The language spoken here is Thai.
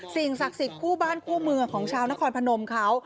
สิ่งศักดิ์สิทธิ์คู่บ้านคู่เมืองของชาวนครพนมเขา